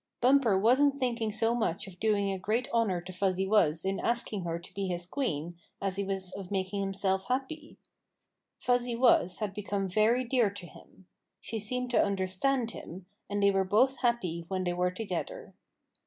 Bumper wasn't thinking so much of doing a great honor to Fuzzy Wuzz in asking her to be his queen as he was of making himself happy. Fuzzy Wuzz had become very dear to him. She seemed to understand him, and they were both happy when they were together.